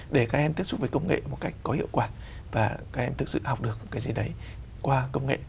để các em tiếp xúc với công nghệ một cách có hiệu quả và các em thực sự học được cái gì đấy qua công nghệ